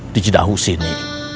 di cedahu sini